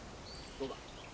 どうだ？